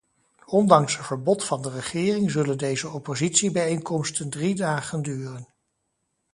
Ondanks een verbod van de regering zullen deze oppositiebijeenkomsten drie dagen duren.